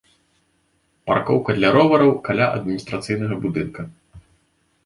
Паркоўка для ровараў каля адміністрацыйнага будынка.